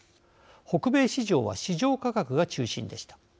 北米市場は市場価格が中心でした。